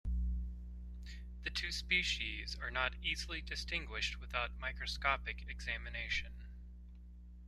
The two species are not easily distinguished without microscopic examination.